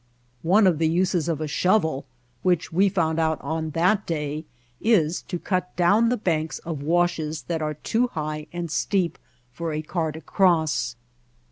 One of the uses of a shovel, which we found out on that day, is to cut down the banks of washes that are too high and steep for a car to cross.